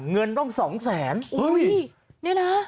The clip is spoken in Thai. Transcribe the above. เงินร่อง๒๐๐๐๐๐บาท